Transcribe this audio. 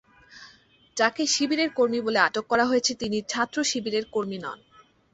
যাঁকে শিবিরের কর্মী বলে আটক করা হয়েছে, তিনি ছাত্রশিবিরের কর্মী নন।